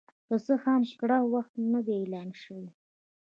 که څه هم کره وخت نه دی اعلان شوی